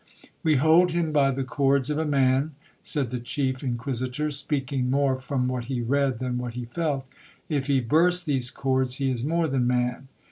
'We hold him by the cords of a man,' said the chief inquisitor, speaking more from what he read than what he felt—'if he burst these cords he is more than man.